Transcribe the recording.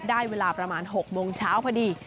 เวลาประมาณ๖โมงเช้าพอดี